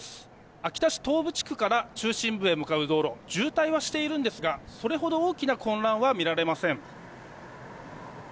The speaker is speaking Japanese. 秋田市東部地区から中心部へ向かう道路渋滞はしているんですがそれほど多くの混乱は見られません。